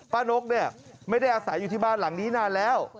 นกเนี่ยไม่ได้อาศัยอยู่ที่บ้านหลังนี้นานแล้ว